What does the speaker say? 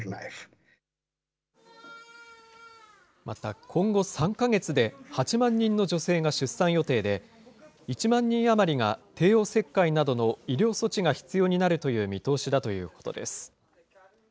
また今後３か月で、８万人の女性が出産予定で、１万人余りが帝王切開などの医療措置が必要になるという見通しだということです。